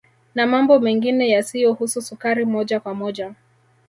Na mambo mengine yasiyohusu sukari moja kwa moja